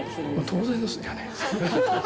当然ですよね。